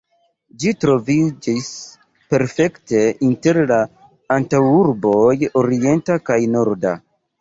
Ĝi troviĝis perfekte inter la antaŭurboj orienta kaj norda.